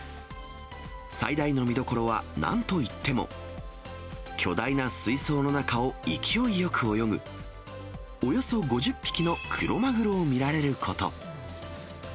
最大の見どころは、なんといっても、巨大な水槽の中を勢いよく泳ぐ、およそ５０匹のクロマグロを見られること。